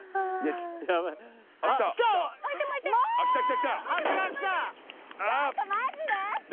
ちょっとマジで？